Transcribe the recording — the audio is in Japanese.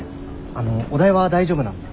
あのお代は大丈夫なので。